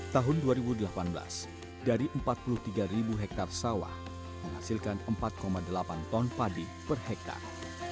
tahun dua ribu delapan belas dari empat puluh tiga ribu hektare sawah menghasilkan empat delapan ton padi per hektare